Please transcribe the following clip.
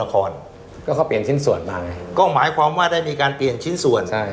ก็เขาเปลี่ยนชิ้นส่วนมาก็หมายความว่าได้มีการเปลี่ยนชิ้นส่วนใช่